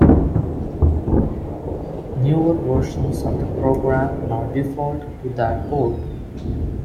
Newer versions of the program now default to that port.